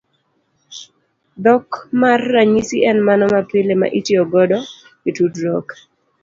Dhok mar ranyisi en mano mapile ma itiyo godo e tudruok.